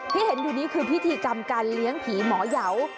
ที่เห็นอยู่นี้คือพิธีกรรมการเลี้ยงผีหมอยาว